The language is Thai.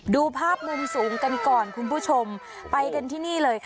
ดูภาพมุมสูงกันก่อนคุณผู้ชมไปกันที่นี่เลยค่ะ